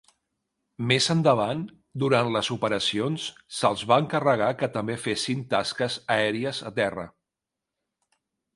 Més endavant, durant les operacions, se'ls va encarregar que també fessin tasques aèries a terra.